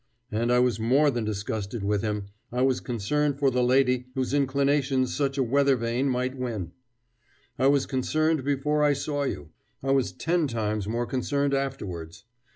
And I was more than disgusted with him, I was concerned for the lady whose inclinations such a weather vane might win. I was concerned before I saw you; I was ten times more concerned afterwards.